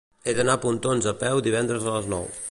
He d'anar a Pontons a peu divendres a les nou.